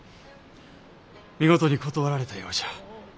見事に断られたようじゃ。